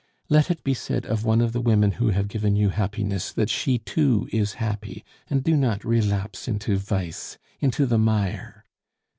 Let it be said of one of the women who have given you happiness that she too is happy; and do not relapse into vice, into the mire."